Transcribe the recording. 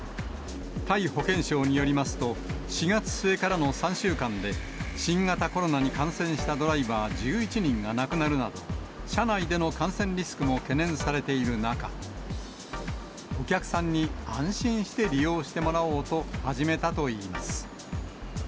タイ保健省によりますと、４月末からの３週間で、新型コロナに感染したドライバー１１人が亡くなるなど、車内での感染リスクも懸念されている中、お客さんに安心して利用してもらおうと、始めたといいます。